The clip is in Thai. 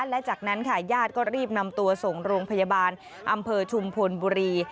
และจากนั้นค่ะญาติก็รีบนำตัวส่งโรงพยาบาลอำเภอชุมพลบุรี